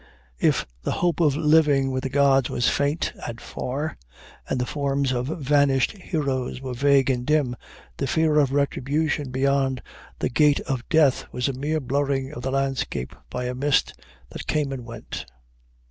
If the hope of living with the gods was faint and far, and the forms of vanished heroes were vague and dim, the fear of retribution beyond the gate of death was a mere blurring of the landscape by a mist that came and went.